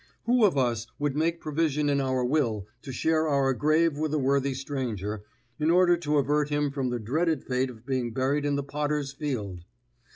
Who of us would make provision in our will to share our grave with a worthy stranger, in order to avert from him the dreaded fate of being buried in the Potter's Field?